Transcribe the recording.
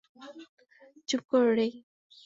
চুপ করো, রেই।